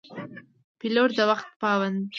پیلوټ د وخت پابند وي.